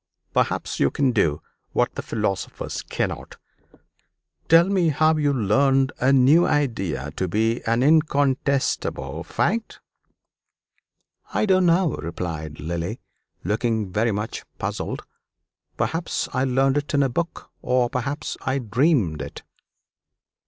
Perhaps you can do what the philosophers cannot tell me how you learned a new idea to be an incontestable fact?" "I don't know," replied Lily, looking very much puzzled: "perhaps I learned it in a book, or perhaps I dreamed it."